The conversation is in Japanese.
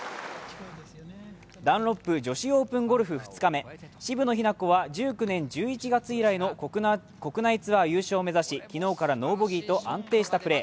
ダンロップ女子オープンゴルフ２日目、渋野日向子は１９年１１月以来の国内ツアー優勝を目指し昨日からノーボギーと安定したプレー。